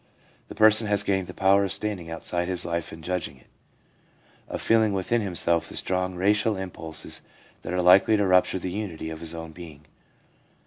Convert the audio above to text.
The person has gained the power of standing outside his life and judging it ; of feeling within himself the strong, racial impulses that are likely to rupture the unity of his own being.